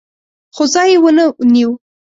خو ځای یې ونه نیو